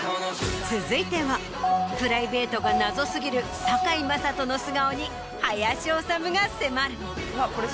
続いてはプライベートが謎過ぎる堺雅人の素顔に林修が迫る。